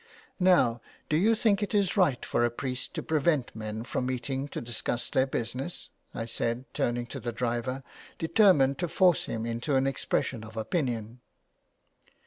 " Now, do you think it is right for a priest to pre vent men from meeting to discuss their business?'' I said, turning to the driver, determined to force him into an expression of opinion.